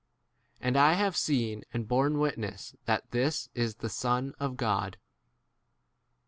And I • have seen and borne witness that this is the Son of God.